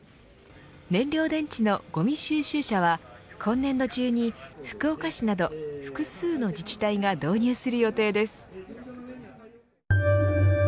燃料電池のごみ収集車は今年度中に福岡市など複数の自治体が導入する予定です。